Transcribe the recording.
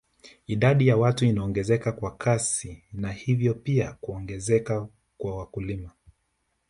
Idadi ya watu inaongezeka kwa kasi na hivyo pia kuongezeka kwa wakulima